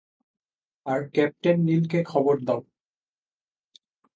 আর captain নিলকে খবর দাও।